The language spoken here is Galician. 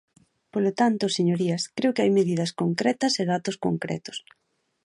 Polo tanto, señorías, creo que hai medidas concretas e datos concretos.